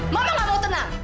mama gak bawa tenang